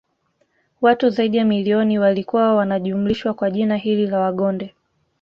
watu zaidi ya milioni walikuwa wanajumlishwa kwa jina hili la Wagonde